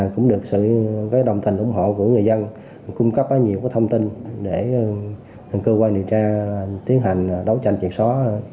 cũng được sự đồng tình ủng hộ của người dân cung cấp nhiều thông tin để cơ quan điều tra tiến hành đấu tranh triệt xóa